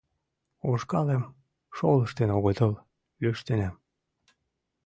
Ушкалым шолыштын огытыл, лӱштенам.